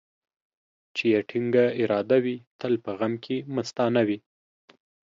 چي يې ټينگه اراده وي ، تل په غم کې مستانه وي.